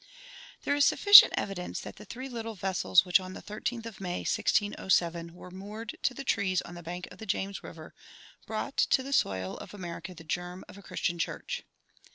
There is sufficient evidence that the three little vessels which on the 13th of May, 1607, were moored to the trees on the bank of the James River brought to the soil of America the germ of a Christian church.